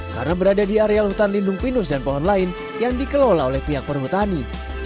karena berada di areal hutan lindung pinus dan pohon lain yang dikelola oleh pihak perhutani